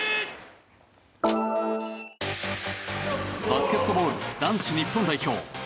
バスケットボール男子日本代表。